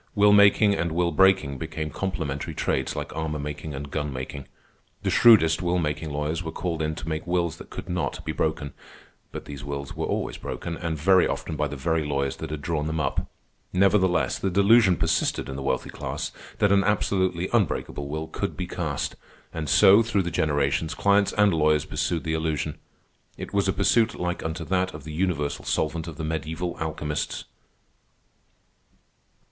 Will making and will breaking became complementary trades, like armor making and gun making. The shrewdest will making lawyers were called in to make wills that could not be broken. But these wills were always broken, and very often by the very lawyers that had drawn them up. Nevertheless the delusion persisted in the wealthy class that an absolutely unbreakable will could be cast; and so, through the generations, clients and lawyers pursued the illusion. It was a pursuit like unto that of the Universal Solvent of the mediæval alchemists.